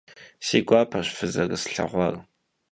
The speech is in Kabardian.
Si guapeş fızerıslheğuar.